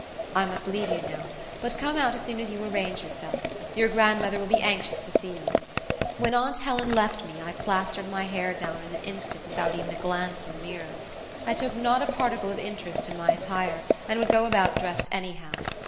I must leave you now, but come out as soon as you arrange yourself your grandmother will be anxious to see you." When aunt Helen left me I plastered my hair down in an instant without even a glance in the mirror. I took not a particle of interest in my attire, and would go about dressed anyhow.